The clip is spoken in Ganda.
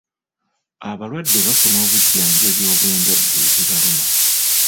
Abalwadde bafuna obujjanjabi obw'endwadde ezibaluma.